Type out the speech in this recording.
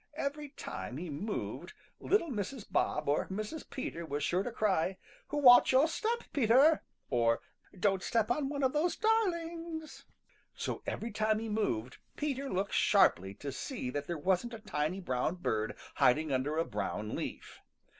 Every time he moved little Mrs. Bob or Mrs. Peter was sure to cry, "Watch your step, Peter!" or "Don't step on one of those darlings!" So every time he moved Peter looked sharply to see that there wasn't a tiny brown bird hiding under a brown leaf.